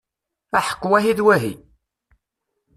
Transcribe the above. Aḥeqq wahi d wahi!